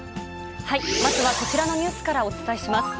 まずはこちらのニュースからお伝えします。